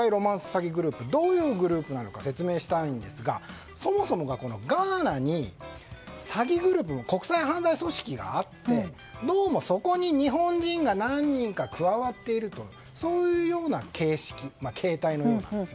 詐欺グループどういうグループなのか説明したいんですがそもそも、ガーナに詐欺グループの国際犯罪組織があってどうもそこに日本人が何人か加わっているとそういうような形態のようなんです。